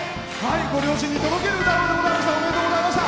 ご両親に届ける歌声でございました！